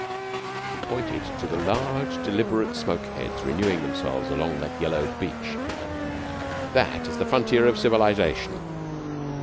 He pointed to the large deliberate smoke heads renewing themselves along that yellowed beach. "That is the frontier of civilization.